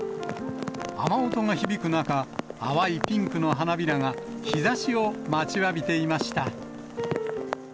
雨音が響く中、淡いピンクの花びらが、日ざしを待ちわびていました。